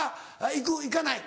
「行く」「行かない」